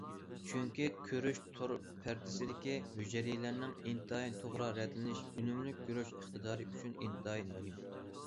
چۈنكى كۆرۈش تور پەردىسىدىكى ھۈجەيرىلەرنىڭ ئىنتايىن توغرا رەتلىنىشى ئۈنۈملۈك كۆرۈش ئىقتىدارى ئۈچۈن ئىنتايىن مۇھىم.